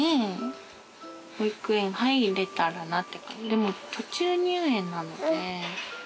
でも途中入園なので。